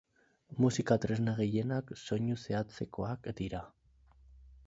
Musika tresna gehienak soinu zehatzekoak dira.